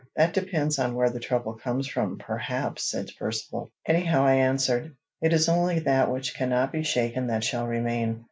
"That depends on where the trouble comes from, perhaps," said Percivale. "Anyhow," I answered, "it is only that which cannot be shaken that shall remain."